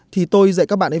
thì tôi dạy các bạn ấy